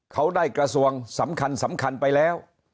เขาได้กระทรวงสำคัญไปแล้ว